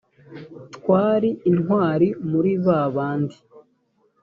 t wari intwari muri ba bandi